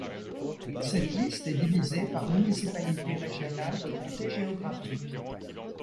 Cette liste est divisées par municipalité régionale de comté géographique.